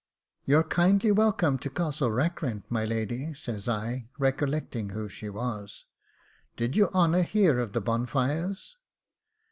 'You're kindly welcome to Castle Rackrent, my lady,' says I (recollecting who she was). 'Did your honour hear of the bonfires?